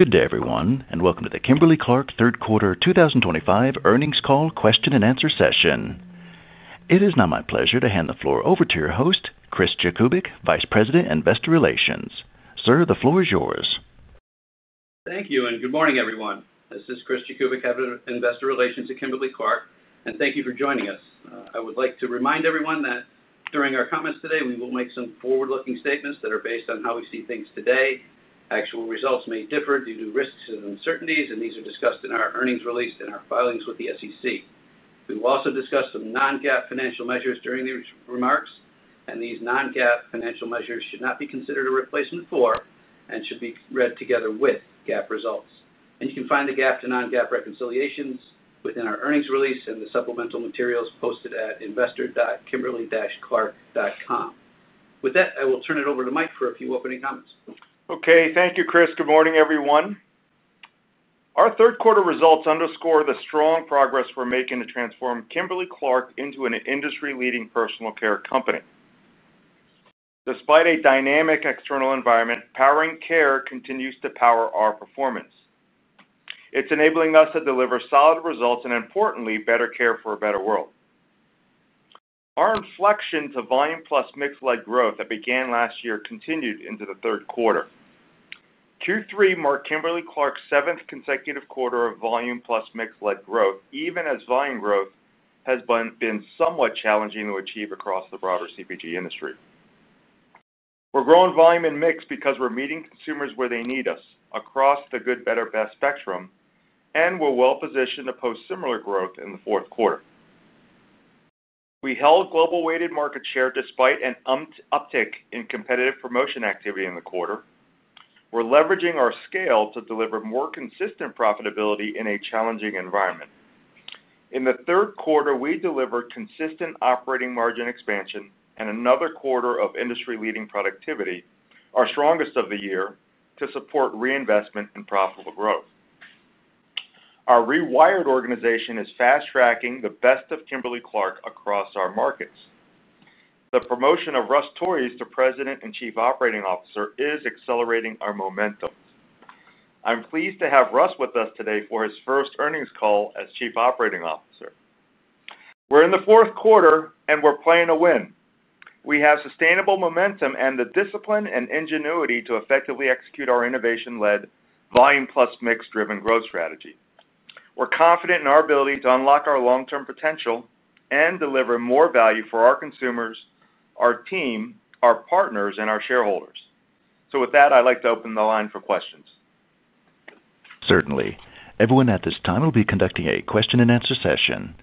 Good day everyone and welcome to the Kimberly-Clark third quarter 2025 earnings call question and answer session. It is now my pleasure to hand the floor over to your host Chris Jakubik, Vice President Investor Relations. Sir, the floor is yours. Thank you, and good morning, everyone. This is Chris Jakubik, Head of Investor Relations at Kimberly-Clark, and thank you for joining us. I would like to remind everyone that during our comments today we will make some forward-looking statements that are based on how we see things today. Actual results may differ due to risks and uncertainties, and these are discussed in our earnings release and our filings with the SEC. We will also discuss some non-GAAP financial measures during these remarks, and these non-GAAP financial measures should not be considered a replacement for and should be read together with GAAP results. You can find the GAAP to non-GAAP reconciliations within our earnings release and the supplemental materials posted at investor.kimberly-clark.com. With that, I will turn it over to Mike for a few opening comments. Okay, thank you, Chris. Good morning, everyone. Our third quarter results underscore the strong progress we're making to transform Kimberly-Clark into an industry-leading personal care company. Despite a dynamic external environment, powering care continues to power our performance. It's enabling us to deliver solid results and, importantly, better care for a better world. Our inflection to volume plus mix-led growth that began last year continued into the third quarter. Q3 marked Kimberly-Clark's seventh consecutive quarter of volume plus mix-led growth, even as volume growth has been somewhat challenging to achieve across the broader CPG industry. We're growing volume and mix because we're meeting consumers where they need us across the good, better, best spectrum, and we're well positioned to post similar growth. In the fourth quarter, we held global weighted market share despite an uptick in competitive promotional activity in the quarter. We're leveraging our scale to deliver more consistent profitability in a challenging environment. In the third quarter, we delivered consistent operating margin expansion and another quarter of industry-leading productivity, our strongest of the year, to support reinvestment and profitable growth. Our rewired organization is fast-tracking the best of Kimberly-Clark across our markets. The promotion of Russ Torres to President and Chief Operating Officer is accelerating our momentum. I'm pleased to have Russ with us today for his first earnings call as Chief Operating Officer. We're in the fourth quarter, and we're playing to win. We have sustainable momentum and the discipline and ingenuity to effectively execute our innovation-led, volume plus mix-driven growth strategy. We're confident in our ability to unlock our long-term potential and deliver more value for our consumers, our team, our partners, and our shareholders. With that, I'd like to open the line for questions. Certainly, everyone, at this time we will be conducting a question and answer session.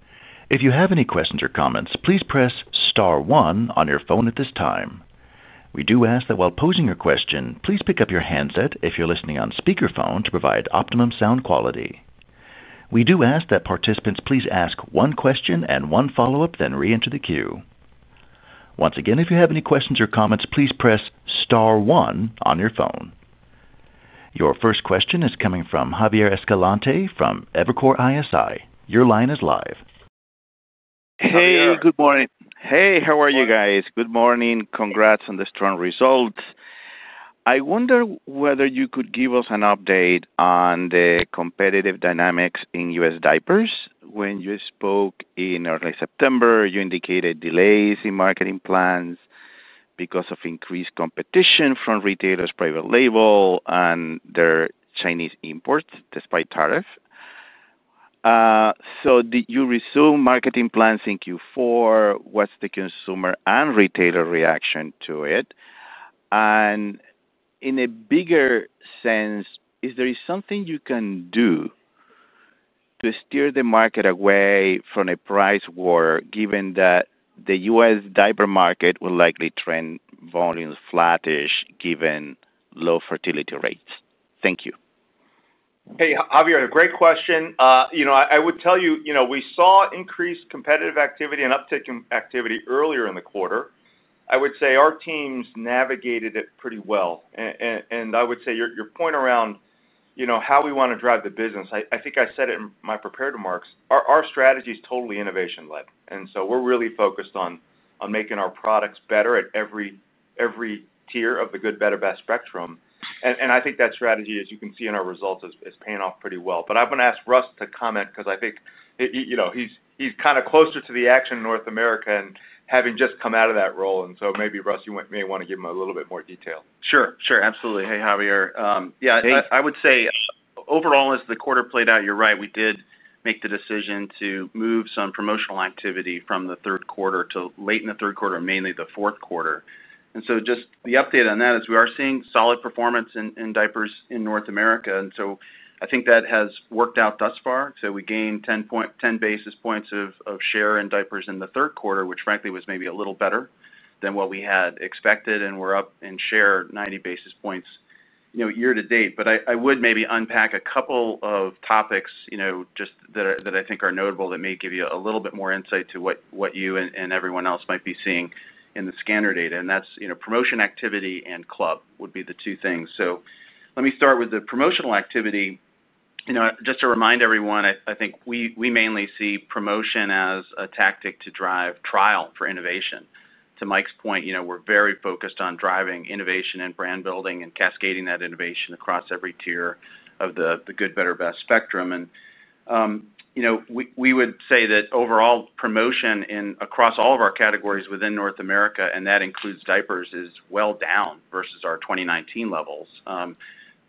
If you have any questions or comments, please press star one on your phone at this time. We do ask that while posing your question, please pick up your handset if you're listening on speakerphone to provide optimum sound quality. We do ask that participants please ask one question and one follow-up, then re-enter the queue. Once again, if you have any questions or comments, please press star one on your phone. Your first question is coming from Javier Escalante from Evercore ISI. Your line is live. Hey, good morning. How are you guys? Good morning. Congrats on the strong results. I wonder whether you could give us an update on the competitive dynamics in U.S. diapers. When you spoke in early September, you indicated delays in marketing plans because of increased competition from retailers, private label and their Chinese imports despite tariffs. Did you resume marketing plans in Q4? What's the consumer and retailer reaction to it? In a bigger sense, is there something you can do to steer the market away from a price war given that the U.S. diaper market will likely trend volumes flattish given low fertility rates? Thank you. Hey Javier, great question. I would tell you we saw increased competitive activity and an uptick in activity earlier in the quarter. I would say our teams navigated it pretty well. I would say your point around how we want to drive the business, I think I said it in my prepared remarks. Our strategy is totally innovation led, and we're really focused on making our products better at every tier of the good, better, best spectrum. I think that strategy, as you can see in our results, is paying off pretty well. I'm going to ask Russ to comment because I think he's kind of closer to the action in North America and having just come out of that role. Maybe Russ, you may want to give him a little bit more detail. Sure, sure. Absolutely. Hey Javier, yeah, I would say overall, as the quarter played out, you're right, we did make the decision to move some promotional activity from the third quarter to late in the third quarter, mainly the fourth quarter. Just the update on that is we are seeing solid performance in diapers in North America. I think that has worked out thus far. We gained 10 basis points of share in diapers in the third quarter, which frankly was maybe a little better than what we had expected. We're up in share 90 basis points year to date. I would maybe unpack a couple of topics just that I think are notable that may give you a little bit more insight to what you and everyone else might be seeing in the scanner data. That is promotional activity and club would be the two things. Let me start with the promotional activity. Just to remind everyone, I think we mainly see promotion as a tactic to drive trial for innovation. To Mike's point, we're very focused on driving innovation and brand building and cascading that innovation across every tier of the Good, Better, Best spectrum. We would say that overall promotion across all of our categories within North America, and that includes diapers, is well down versus our 2019 levels.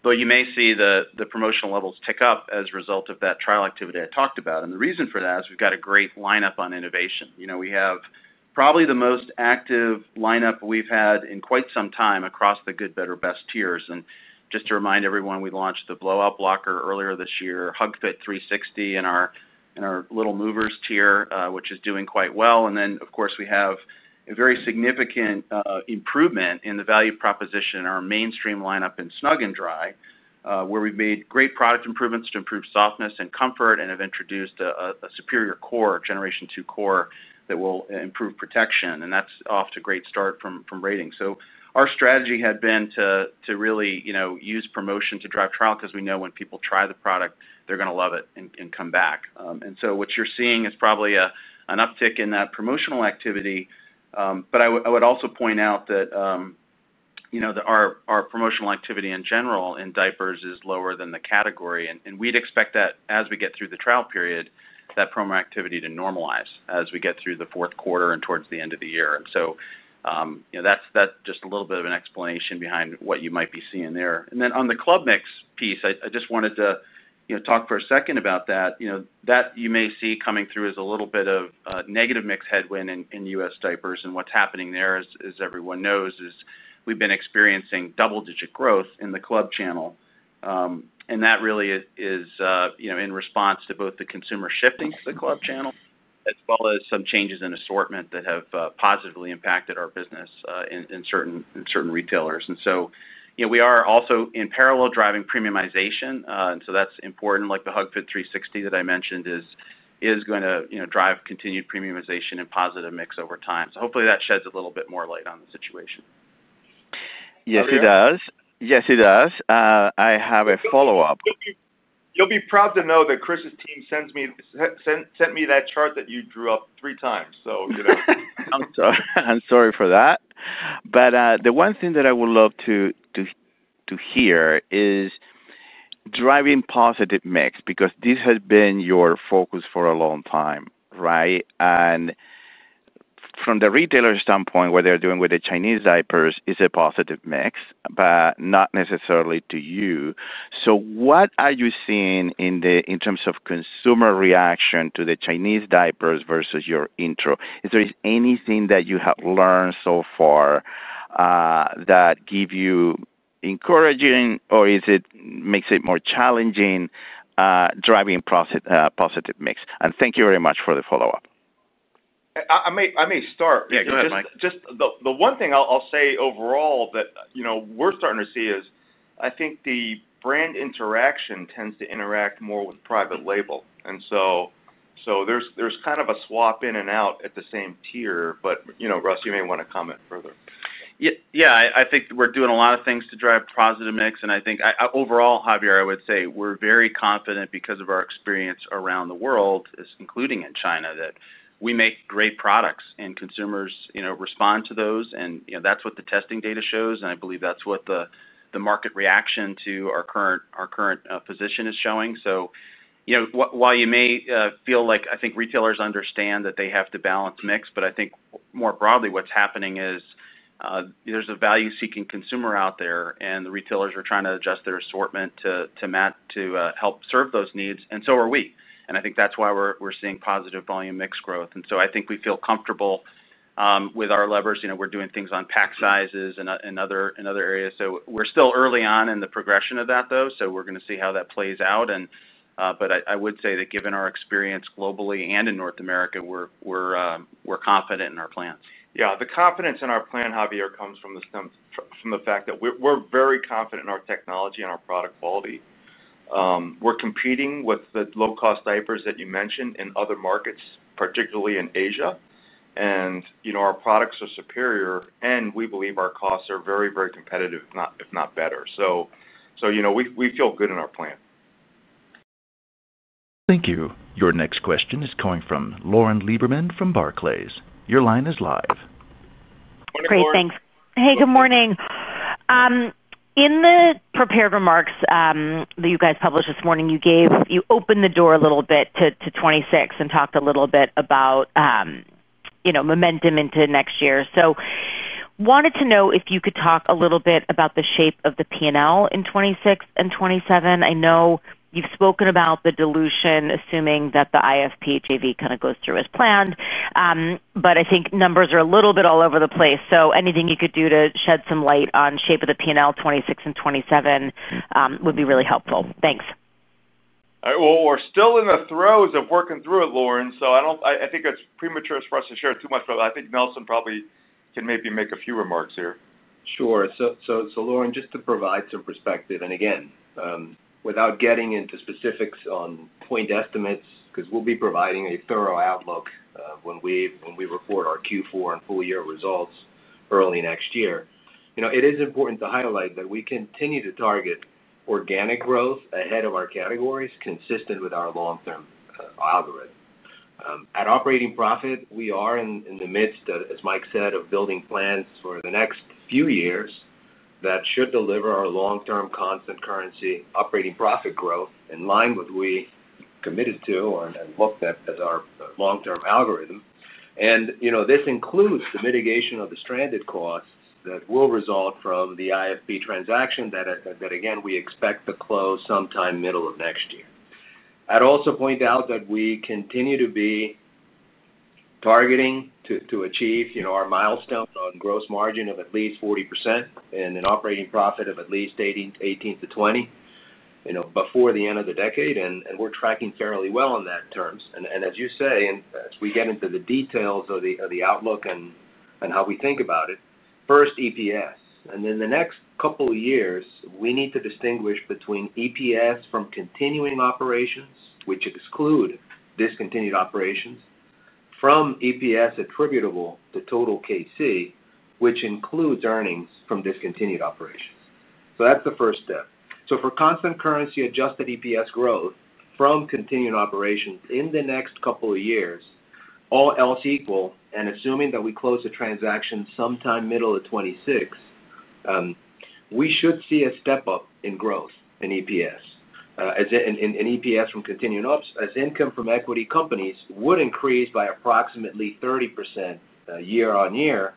You may see the promotional levels tick up as a result of that trial activity I talked about. The reason for that is we've got a great lineup on innovation. We have probably the most active lineup we've had in quite some time across the Good, Better, Best tiers. Just to remind everyone, we launched the Blowout Blocker earlier this year, HugFit360 in our Little Movers tier which is doing quite well. Of course, we have a very significant improvement in the value proposition in our mainstream lineup in Snug & Dry where we've made great product improvements to improve softness and comfort and have introduced a superior Generation Two core that will improve protection and that's off to a great start from rating. Our strategy had been to really use promotion to drive trial because we know when people try the product they're going to love it and come back. What you're seeing is probably an uptick in that promotional activity. I would also point out that our promotional activity in general in diapers is lower than the category and we'd expect that as we get through the trial period that promo activity to normalize as we get through the fourth quarter and towards the end of the year. That's just a little bit of an explanation behind what you might be seeing there. On the club mix piece, I just wanted to talk for a second about that. You may see that coming through as a little bit of negative mix headwind in U.S. diapers. What's happening there, as everyone knows, is we've been experiencing double-digit growth in the club channel. That really is in response to both the consumer shifting to the club channel as well as some changes in assortment that have positively impacted our business in certain retailers. We are also in parallel driving premiumization. That's important. The HugFit360 that I mentioned is going to drive continued premiumization and positive mix over time. Hopefully that sheds a little bit more light on the situation. Yes, it does. I have a follow-up. You'll be proud to know that Chris' team sent me that chart that you drew up three times. I'm sorry for that. The one thing that I would love to hear is driving positive mix because this has been your focus for a long time. From the retailer standpoint, what they're doing with the Chinese diapers is a positive mix, but not necessarily to you. What are you seeing in terms of consumer reaction to the Chinese diapers versus your intro? Is there anything that you have learned so far that gives you encouraging or is it makes it more challenging driving positive mix? Thank you very much for the follow up. I may start. Go ahead, Mike. The one thing I'll say overall that we're starting to see is I think the brand interaction tends to interact more with private label, and so there's kind of a swap in and out at the same tier. Russ, you may want to comment further. I think we're doing a lot of things to drive positive mix. I think overall, Javier, I would say we're very confident because of our experience around the world, including in China, that we make great products and consumers respond to those. That's what the testing data shows. I believe that's what the market reaction to our current position is showing. You may feel like retailers understand that they have to balance mix, but I think more broadly what's happening is there's a value seeking consumer out there and the retailers are trying to adjust their assortment to help serve those needs. We are as well. I think that's why we're seeing positive volume mix growth. I think we feel comfortable with our levers. We're doing things on pack sizes and other areas. We're still early on in the progression of that though. We're going to see how that plays out. I would say that given our experience globally and in North America, we're confident in our plan. Yeah, the confidence in our plan, Javier, comes from the fact that we're very confident in our technology and our product quality. We're competing with the low cost diapers that you mentioned in other markets, particularly in Asia, and our products are superior and we believe our costs are very, very competitive, if not better. We feel good in our plan. Thank you. Your next question is coming from Lauren Lieberman from Barclays. Your line is live. Great, thanks. Hey, good morning. In the prepared remarks that you guys published this morning, you opened the door a little bit to 2026 and talked a little bit about momentum into next year. I wanted to know if you could talk a little bit about the shape of the P&L in 2026 and 2027. I know you've spoken about the dilution, assuming that the IFB transaction kind of goes through as planned, but I think numbers are a little bit all over the place. Anything you could do to shed some light on shape of the P&L in 2026 and 2027 would be really helpful. Thanks. We're still in the throes of working through it, Lauren, so I think it's premature for us to share too much. I think Nelson probably can maybe make a few remarks here. Sure. Lauren, just to provide some perspective and again without getting into specifics on point estimates, because we'll be providing a thorough outlook when we report our Q4 and full year results early next year, it is important to highlight that we continue to target organic growth ahead of our categories consistent with our long term algorithm at operating profit. We are in the midst, as Mike said, of building plans for the next few years that should deliver our long term constant currency operating profit growth in line with what we committed to and looked at as our long term algorithm. This includes the mitigation of the stranded costs that will result from the IFB transaction that we expect to close sometime middle of next year. I'd also point out that we continue to be targeting to achieve our milestone on gross margin of at least 40% and an operating profit of at least 18%-20% before the end of the decade. We're tracking fairly well in that terms. As you say, as we get into the details of the outlook and how we think about it, first EPS and then the next couple years, we need to distinguish between EPS from continuing operations, which exclude discontinued operations, from EPS attributable to total KC, which includes earnings from discontinued operations. That's the first step. For constant currency adjusted EPS growth from continued operations in the next couple of years, all else equal, and assuming that we close the transaction sometime middle of 2026, we should see a step up in growth in EPS and EPS from continuing as income from equity companies would increase by approximately 30% year on year.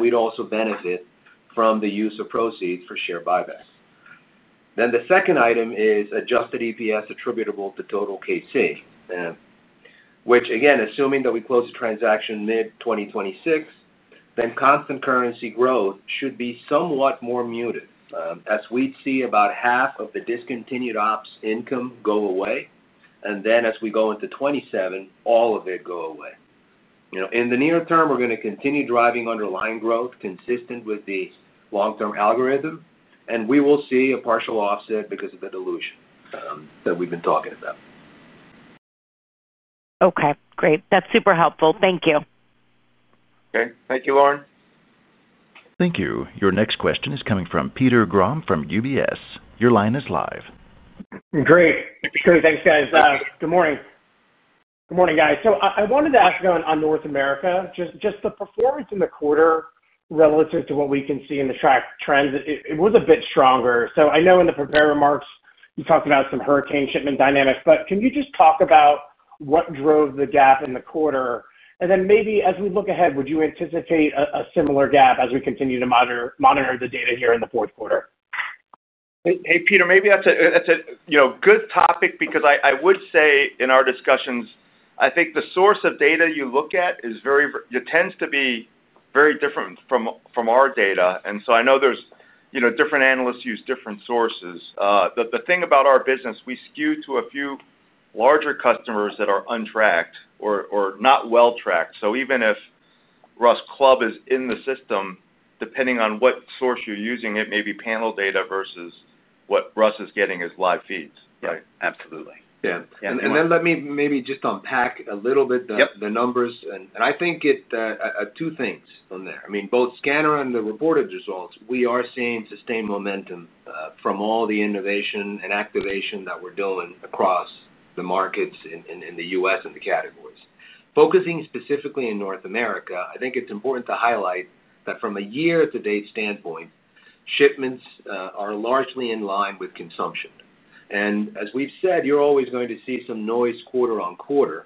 We'd also benefit from the use of proceeds for share buybacks. The second item is adjusted EPS attributable to total KC which, again assuming that we close the transaction mid-2026, then constant currency growth should be somewhat more muted as we'd see about half of the discontinued operations income go away and as we go into 2027 all of it go away. In the near term we're going to continue driving underlying growth consistent with the long term algorithm and we will see a partial offset because of the dilution that we've been talking about. Okay, great. That's super helpful, thank you. Okay, thank you, Lauren. Thank you. Your next question is coming from Peter Grom from UBS. Your line is live. Great, thanks guys. Good morning. I wanted to ask on North America, just the performance in the quarter relative to what we can see in the trends, it was a bit stronger. I know in the prepared remarks you talked about some hurricane shipment dynamics, but can you just talk about what drove the gap in the quarter and then maybe as we look ahead, would you anticipate a similar gap as we continue to monitor the data here in the fourth quarter? Hey Peter, maybe that's a good topic because I would say in our discussions I think the source of data you look at tends to be very different from our data. I know different analysts use different sources. The thing about our business, we skew to a few larger customers that are untracked or not well tracked. Even if Russ Club is in the system, depending on what source you're using, it may be panel data versus what Russ is getting is live feeds. Right? Absolutely. Let me maybe just unpack a little bit the numbers and I think two things from there, I mean both scanner and the reported results, we are seeing sustained momentum from all the innovation and activation that we're doing across the markets in the U.S. and the categories focusing specifically in North America. I think it's important to highlight that from a year to date standpoint, shipments are largely in line with consumption. As we've said, you're always going to see some noise quarter on quarter.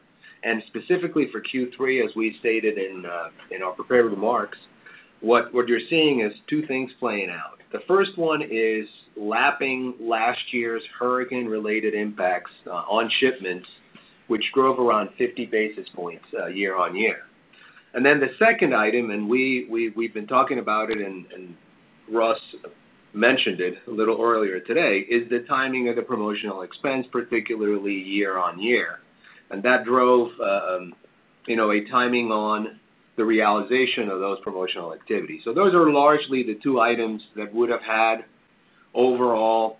Specifically for Q3, as we stated in our prepared remarks, what you're seeing is two things playing out. The first one is lapping last year's hurricane related impacts on shipments, which drove around 50 basis points year on year. The second item, and we've been talking about it, and Russ Torres mentioned it a little earlier today, is the timing of the promotional expense, particularly year on year. That drove a timing on the realization of those promotional activities. Those are largely the two items that would have had overall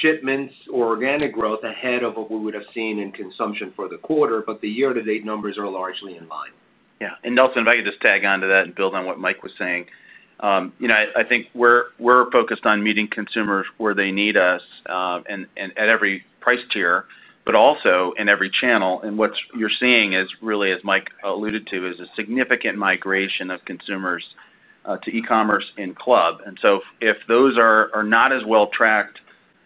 shipments or organic growth ahead of what we would have seen in consumption for the quarter. The year to date numbers are largely in line. Yeah, and Nelson, if I could just tag onto that and build on what Mike was saying, I think we're focused on meeting consumers where they need us at every price tier, but also in every channel. What you're seeing is really, as Mike alluded to, a significant migration of consumers to e-commerce and club channels. If those are not as well tracked,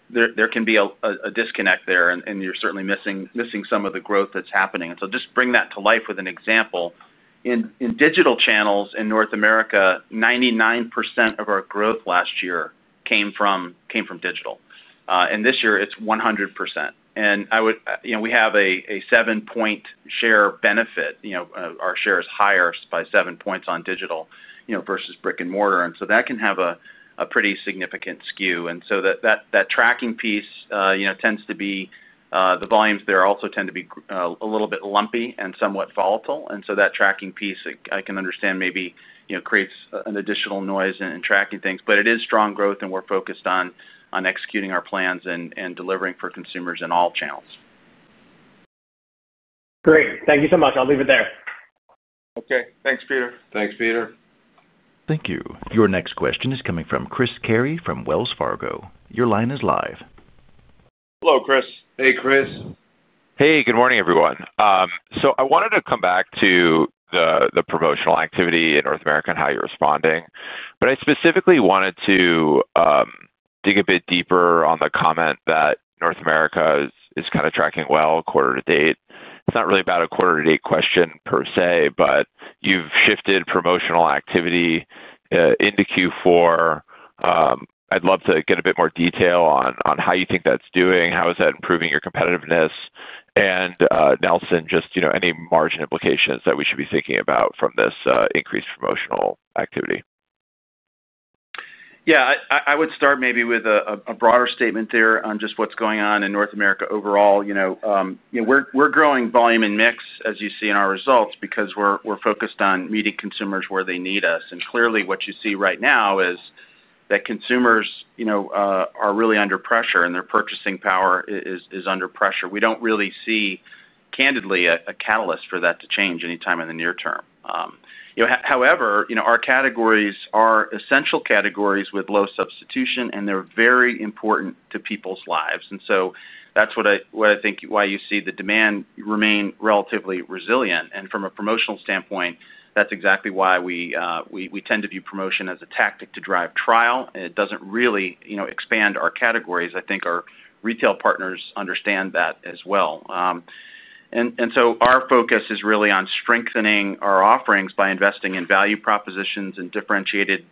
there can be a disconnect there. You're certainly missing some of the growth that's happening. To bring that to life with an example, in digital channels in North America, 99% of our growth last year came from digital, and this year it's 100%. We have a 7% share benefit. Our share is higher by 7 points on digital versus brick and mortar, and that can have a pretty significant skew. That tracking piece tends to be, the volumes there also tend to be a little bit lumpy and somewhat volatile. That tracking piece, I can understand, maybe creates additional noise in tracking things, but it is strong growth and we're focused on executing our plans and delivering for consumers in all channels. Great, thank you so much. I'll leave it there. Okay, thanks, Peter. Thanks, Peter. Thank you. Your next question is coming from Chris Carey from Wells Fargo. Your line is live. Hello, Chris. Hey, Chris. Good morning, everyone. I wanted to come back to the promotional activity in North America and how you're responding, but I specifically wanted to dig a bit deeper on the comment that North America is tracking well, quarter to date. It's not really about a quarter to date question per se, but you've shifted promotional activity into Q4. I'd love to get a bit more detail on how you think that's doing. How is that improving your competitiveness? Nelson, just any margin implications that we should be thinking about from this increased promotional activity? I would start maybe with a broader statement there on just what's going on in North America overall. We're growing volume and mix, as you see in our results, because we're focused on meeting consumers where they need us. Clearly, what you see right now is that consumers are really under pressure and their purchasing power is under pressure. We don't really see, candidly, a catalyst for that to change anytime in the near term. However, our categories are essential categories with low substitution, and they're very important to people's lives. That's what I think why you see the demand remain relatively resilient. From a promotional standpoint, that's exactly why we tend to view promotion as a tactic to drive trial. It doesn't really expand our categories. I think our retail partners understand that as well. Our focus is really on strengthening our offerings by investing in value propositions and differentiated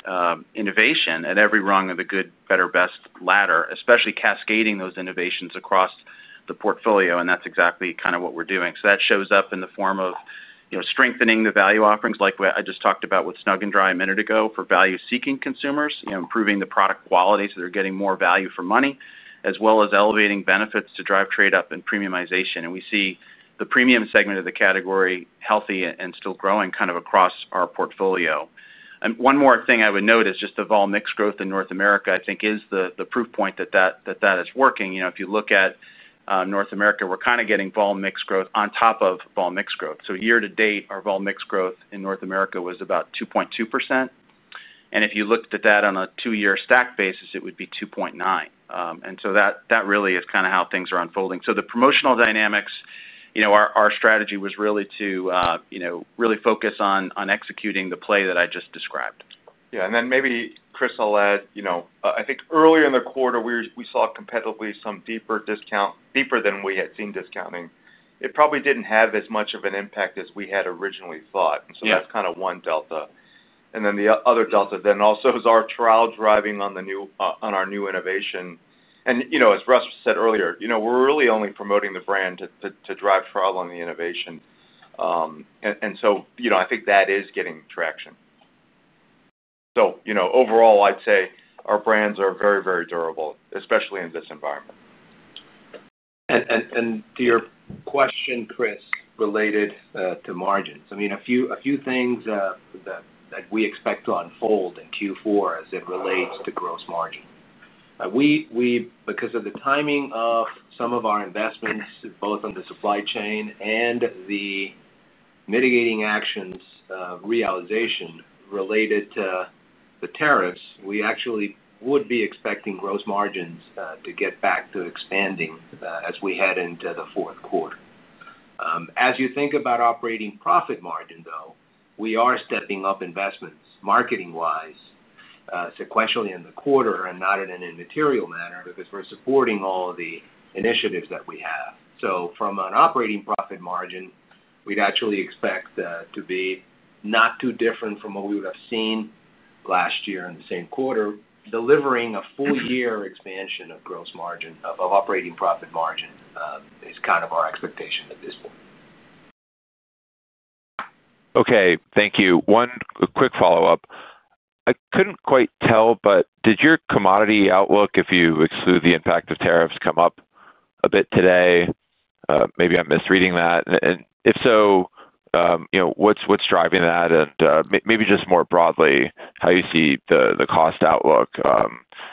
innovation at every rung of the good, better, best ladder, especially cascading those innovations across the portfolio. That's exactly kind of what we're doing. That shows up in the form of strengthening the value offerings like I just talked about with Snug & Dry a minute ago for value-seeking consumers, improving the product quality so they're getting more value for money, as well as elevating benefits to drive trade up and premiumization. We see the premium segment of the category healthy and still growing kind of across our portfolio. One more thing I would note is just the volume mix growth in North America I think is the proof point that that is working. If you look at North America, we're kind of getting volume mix growth on top of volume mix growth. Year to date, our volume mix growth in North America was about 2.2%. If you looked at that on a two-year stack basis, it would be 2.9%. That really is kind of how things are unfolding. The promotional dynamics, our strategy was really to really focus on executing the play that I just described. Yeah. Maybe, Chris, I'll add, I think earlier in the quarter we saw competitively some deeper discount, deeper than we had seen discounting. It probably didn't have as much of an impact as we had originally thought. That's kind of one delta and then the other delta also is our trial driving on our new innovation. You know, as Russ said earlier, we're really only promoting the brand to drive trial on the innovation. I think that is getting traction. Overall, I'd say our brands are very, very durable, especially in this environment. To your question, Chris, related to margins, a few things that we expect to unfold in Q4 as it relates to gross margin. Because of the timing of some of our investments both on the supply chain and the mitigating actions, realization related to the tariffs, we actually would be expecting gross margins to get back to expanding as we head into the fourth quarter. As you think about operating profit margins, we are stepping up investments marketing wise, sequentially in the quarter and not in an immaterial manner because we're supporting all the initiatives that we have. From an operating profit margin, we'd actually expect to be not too different from what we would have seen last year in the same quarter, delivering a full year expansion of gross margin, of operating profit margin is kind of our expectation at this point. Okay, thank you. One quick follow-up. I couldn't quite tell, but did your commodity outlook, if you exclude the impact of tariffs, come up a bit today? Maybe I'm misreading that. If so, what's driving that, and maybe just more broadly how you see the cost outlook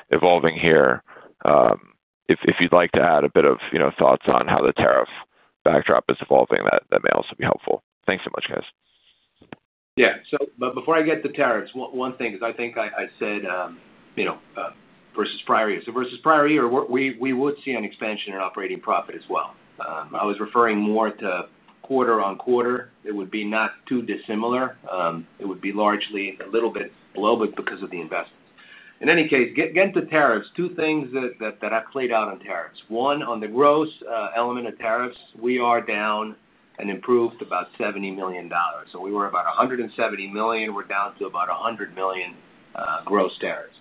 evolving here. If you'd like to add a bit of thoughts on how the tariff backdrop is evolving, that may also be helpful. Thanks so much, guys. Yeah, before I get to tariffs, one thing is I think I said versus prior year. Versus prior year, we would see an expansion in operating profit as well. I was referring more to quarter on quarter. It would be not too dissimilar. It would be largely a little bit, but because of the investments, in any case, get into tariffs. Two things that I played out on tariffs. One, on the gross element of tariffs, we are down and improved about $70 million. We were about $170 million. We're down to about $100 million gross tariffs.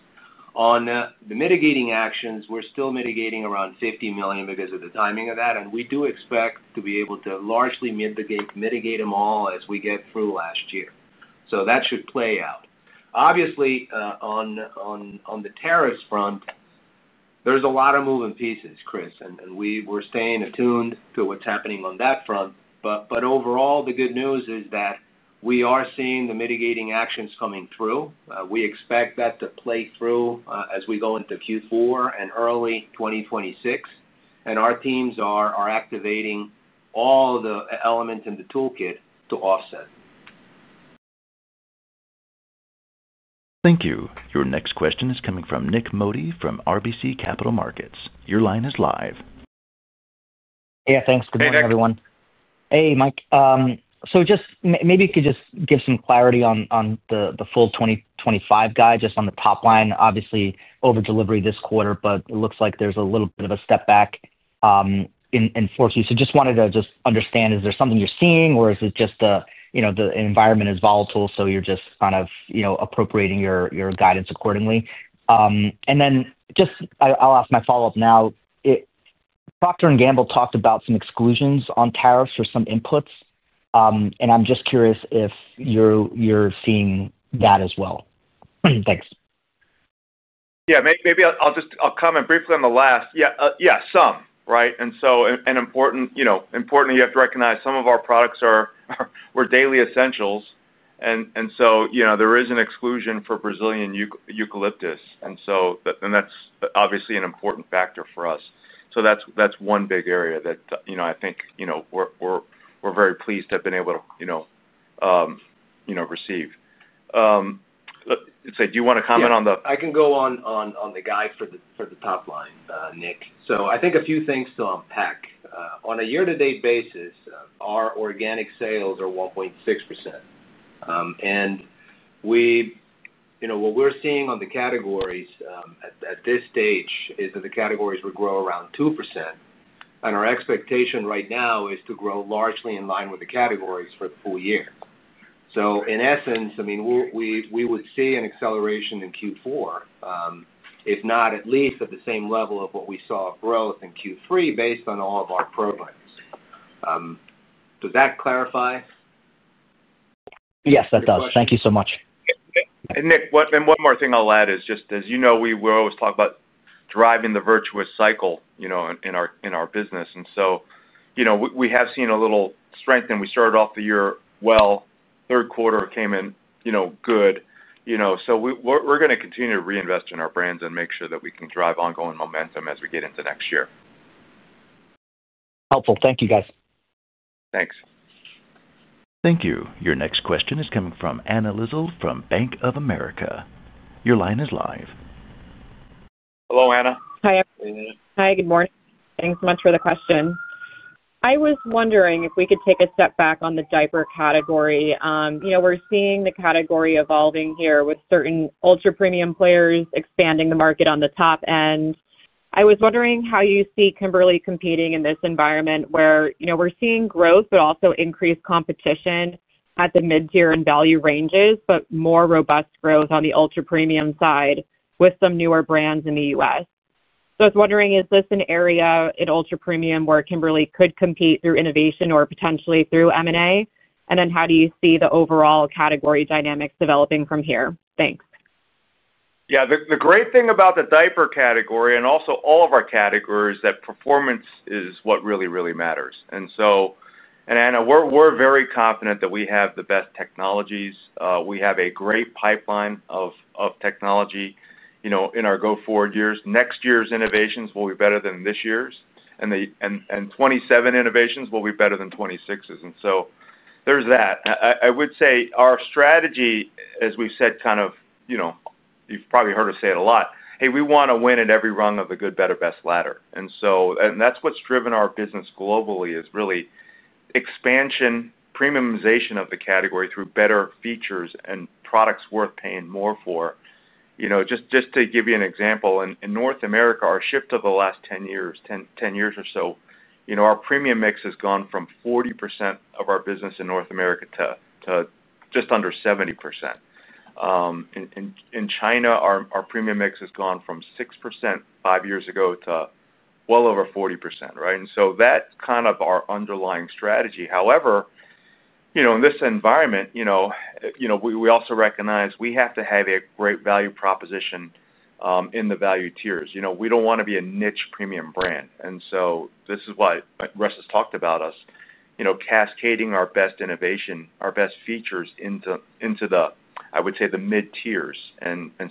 On the mitigating actions, we're still mitigating around $50 million because of the timing of that. We do expect to be able to largely mitigate them all as we get last year. That should play out obviously on the tariffs front. There are a lot of moving pieces, Chris, and we're staying attuned to what's happening on that front. Overall, the good news is that we are seeing the mitigating actions coming through. We expect that to play through as we go into Q4 and early 2026, and our teams are activating all the elements in the toolkit to offset. Thank you. Your next question is coming from Nik Modi from RBC Capital Markets. Your line is live. Yeah, thanks. Hey, Nik. Good morning, everyone. Hey, Mike. Maybe you could just give some clarity on the full 2025 guide. Just on the top line, obviously over delivery this quarter, but it looks like there's a little bit of a step back. I just wanted to understand is there something you're seeing, or is it just, you know, the environment is volatileso you're just appropriating your guidance accordingly. I'll ask my follow up now. Procter & Gamble talked about some exclusions on tariffs or some inputs, and I'm just curious if you're seeing that as well. Thanks. Maybe I'll just comment briefly on the last. Right. Importantly, you have to recognize some of our products are daily essentials. There is an exclusion for Brazilian eucalyptus, and that's obviously an important factor for us. That's one big area that I think we're very pleased to have been able to receive. Do you want to comment on the. I can go on the guide for the top line, Nik. I think a few things to unpack on a year to date basis. Our organic sales are 1.6% and, you know, what we're seeing on the categories at this stage is that the categories will grow around 2%. Our expectation right now is to grow largely in line with the categories for the full year. In essence, I mean, we would see an acceleration in Q4, if not at least at the same level of what we saw growth in Q3 based on all of our programs. Does that clarify? Yes, that does. Thank you so much. Nik, one more thing I'll add is, as you know, we always talk about driving the virtuous cycle in our business. We have seen a little strength and we started off the year well. Third quarter came in good. We're going to continue to reinvest in our brands and make sure that we can drive ongoing momentum as we get into next year. Helpful. Thank you, guys. Thanks. Thank you. Your next question is coming from Anna Lizzul from Bank of America. Your line is live. Hello, Anna. Good morning. Thanks much for the question. I was wondering if we could take a step back on the diaper category. You know, we're seeing the category evolving here with certain ultra premium players expanding the market on the top end. I was wondering how you see Kimberly-Clark competing in this environment where, you know, we're seeing growth but also increased competition at the mid tier and value ranges, but more robust growth on the ultra premium side with some newer brands in the U.S. I was wondering, is this an area in ultra premium where Kimberly-Clark could compete through innovation or potentially through M&A? How do you see the overall category dynamics developing from here? Thanks. Yeah, the great thing about the diaper category and also all of our categories is that performance is what really, really matters. Anna, we're very confident that we have the best technologies. We have a great pipeline of technology. In our go forward years, next year's innovations will be better than this year's and the 2027 innovations will be better than 2026's. There's that. I would say our strategy, as we said, you've probably heard us say it a lot. Hey, we want to win at every rung of the good, better, best ladder. That's what's driven our business globally, really expansion, premiumization of the category through better features and products worth paying more for. Just to give you an example, in North America, our shift of the last 10 years or so, our premium mix has gone from 40% of our business in North America to just under 70%. In China, our premium mix has gone from 6% five years ago to well over 40%. That is kind of our underlying strategy. However, in this environment, we also recognize we have to have a great value proposition in the value tiers. We don't want to be a niche premium brand. This is why Russ has talked about us cascading our best innovation, our best features into the, I would say, the mid tiers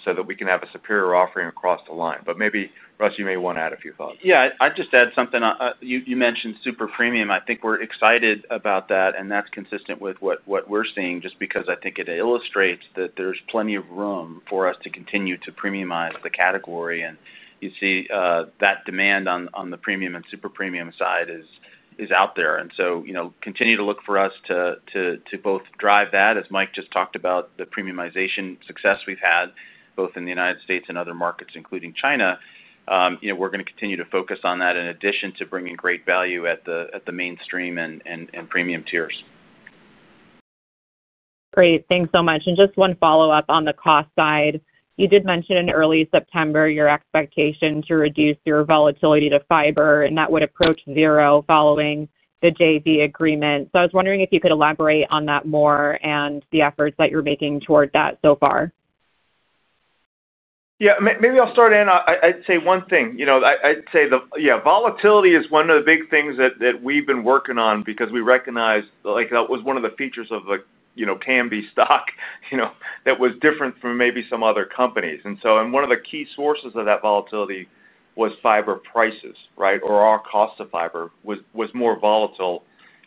so that we can have a superior offering across the line. Maybe, Russ, you may want to add a few thoughts. Yes, I'd just add something you mentioned, super premium. I think we're excited about that, and that's consistent with what we're seeing. I think it illustrates that there's plenty of room for us to continue to premiumize the category. You see that demand on the premium and super premium side is out there, so continue to look for us to both drive that. As Mike just talked about, the premiumization success we've had both in the United States and other markets, including China, we're going to continue to focus on that in addition to bringing great value at the mainstream and premium tiers. Great. Thanks so much. Just one follow up on the cost side. You did mention in early September your expectation to reduce your volatility to fiber, and that would approach zero following the JV agreement. I was wondering if you could elaborate on that more and the efforts that you're making toward that so far. Yeah, maybe I'll start in. I'd say one thing, I'd say volatility is one of the big things that we've been working on because we recognize that was one of the features of Kimberly-Clark stock that was different from maybe some other companies. One of the key sources of that volatility was fiber prices or our cost of fiber was more volatile.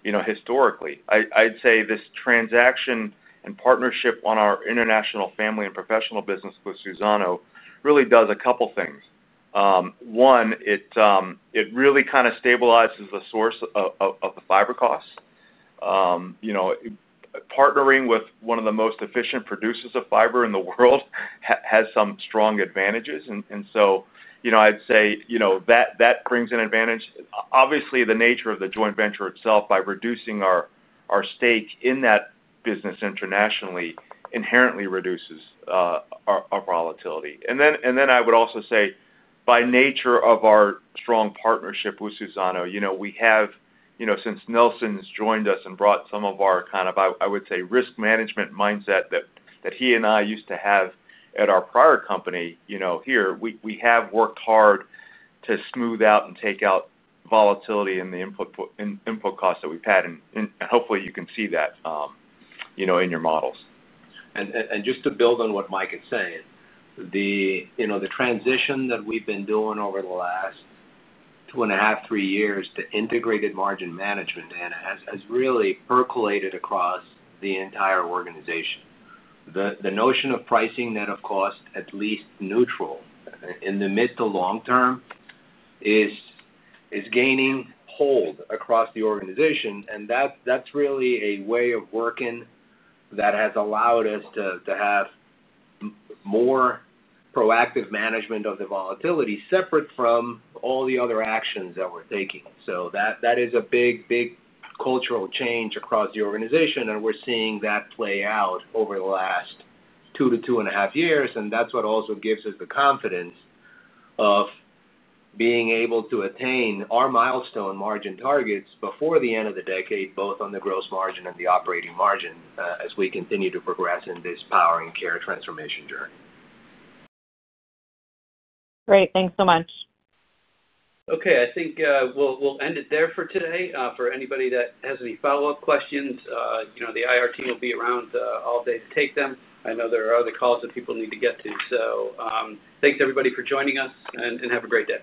Historically, I'd say this transaction and partnership on our international, family and professional business with Suzano really does a couple things. It really kind of stabilizes the source of the fiber costs. Partnering with one of the most efficient producers of fiber in the world has some strong advantages. I'd say that brings an advantage. Obviously, the nature of the joint venture itself, by reducing our stake in that business internationally, inherently reduces our volatility. I would also say by nature of our strong partnership with Suzano, since Nelson's joined us and brought some of our kind of, I would say, risk management mindset that he and I used to have at our prior company, here we have worked hard to smooth out and take out volatility in the input cost that we've had and hopefully you can see that in your models. To build on what Mike is saying, the transition that we've been doing over the last two and a half, three years to integrated margin management has really percolated across the entire organization. The notion of pricing net of cost, at least neutral in the mid to long term, is gaining hold across the organization. That is really a way of working that has allowed us to have more proactive management of the volatility, separate from all the other actions that we're taking. That is a big, big cultural change across the organization, and we're seeing that play out over the last two to two and a half years. That also gives us the confidence of being able to attain our milestone margin targets before the end of the decade, both on the gross margin and the operating margin, as we continue to progress in this power and care transformation journey. Great, thanks so much. Okay, I think we'll end it there for today. For anybody that has any follow up questions, the IR team will be around all day to take them. I know there are other calls that people need to get to. Thanks everybody for joining us and have a great day.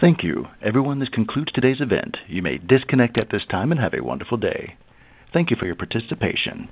Thank you, everyone. This concludes today's event. You may disconnect at this time and have a wonderful day. Thankyou for your participation.